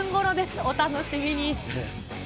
お楽しみに。